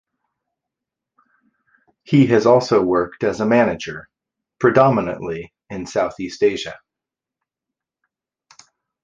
He has also worked as a manager, predominantly in south-east Asia.